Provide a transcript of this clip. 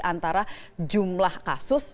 antara jumlah kasus